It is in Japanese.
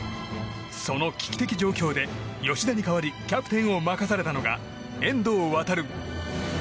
その危機的状況で吉田に代わりキャプテンを任されたのが遠藤航。